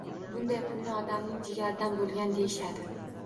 Bunday pulni “odamning jigaridan bo‘lgan” deyishadi.